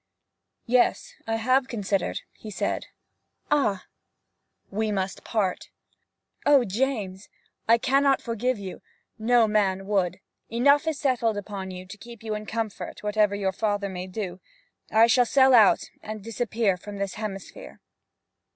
'Yes, I have considered,' he said. 'Ah!' 'We must part.' 'O James!' 'I cannot forgive you; no man would. Enough is settled upon you to keep you in comfort, whatever your father may do. I shall sell out, and disappear from this hemisphere.'